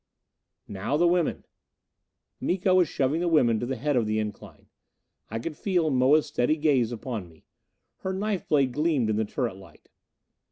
"Now the women." Miko was shoving the women to the head of the incline. I could feel Moa's steady gaze upon me. Her knife blade gleamed in the turret light.